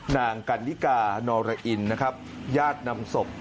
นางกันนิกานอรอินนะครับญาตินำศพ